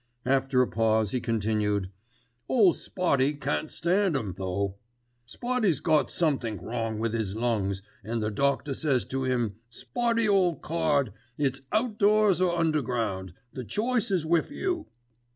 After a pause he continued: "Ole Spotty can't stand 'em, though. Spotty's got somethink wrong with 'is lungs and the doctor says to 'im, 'Spotty ole card, it's outdoors or underground. The choice is with you.